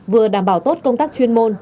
vừa đảm bảo tốt công tác chuyên môn